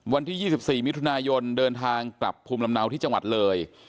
วันที่๒๔มิถุนายนเดินทางกลับภูมิลำเนาที่จังหวัดเลย